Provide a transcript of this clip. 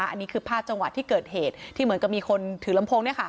อันนี้คือภาพจังหวะที่เกิดเหตุที่เหมือนกับมีคนถือลำโพง